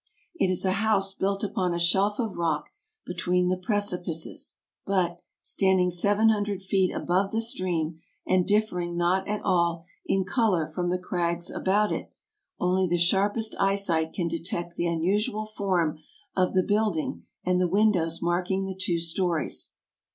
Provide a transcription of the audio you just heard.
It is a house built upon a shelf of rock between the precipices, but, standing seven hundred feet above the stream and differing not at all in color from the crags about it, only the sharpest eyesight can detect the unusual form of the building and the windows marking the two stories.